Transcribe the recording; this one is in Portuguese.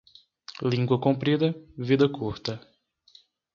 Língua comprida - vida curta.